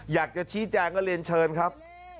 อยากจะชี้แจงก็เรียนเชิญครับ